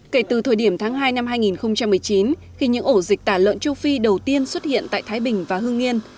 kể từ thời điểm tháng hai năm hai nghìn một mươi chín khi những ổ dịch tả lợn châu phi đầu tiên xuất hiện tại thái bình và hương nghiên